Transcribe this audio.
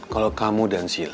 kalau kamu dan sila